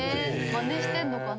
まねしてんのかな。